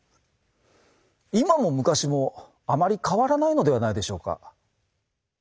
今も昔もあまり変わらないのではないでしょうか。